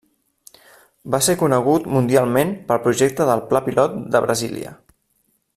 Va ser conegut mundialment pel projecte del Pla Pilot de Brasília.